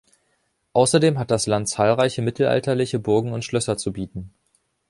Außerdem hat das Land zahlreiche mittelalterliche Burgen und Schlösser zu bieten.